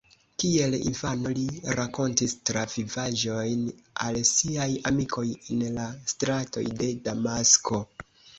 Kiel infano li rakontis travivaĵojn al siaj amikoj en la stratoj de Damasko.